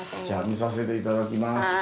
じゃあ見させていただきます。